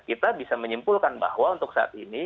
kita bisa menyimpulkan bahwa untuk saat ini